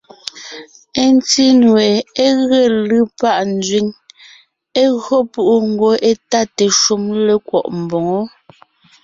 Ńtí nue é ge lʉ́ pâ nzẅíŋ, é gÿo púʼu, ngwɔ́ étáte shúm lékwɔ́ʼ mboŋó.